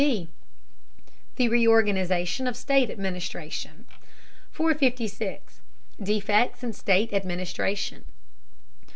B. THE REORGANIZATION OF STATE ADMINISTRATION 456. DEFECTS IN STATE ADMINISTRATION.